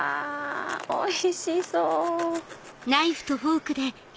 おいしそう！